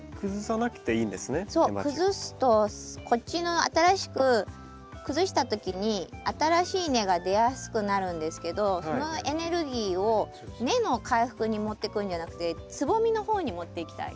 くずすとこっちの新しくくずした時に新しい根が出やすくなるんですけどそのエネルギーを根の回復に持ってくんじゃなくてつぼみの方に持っていきたい。